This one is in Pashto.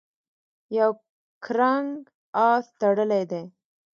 یو کرنګ آس تړلی دی.